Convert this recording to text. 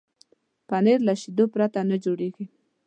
پنېر له شیدو پرته نه جوړېږي.